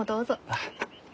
あっ。